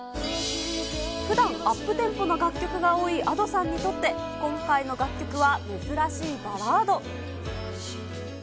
ふだん、アップテンポな楽曲が多いＡｄｏさんにとって、今回の楽曲は珍しいバラード。